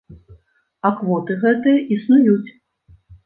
А квоты гэтыя існуюць.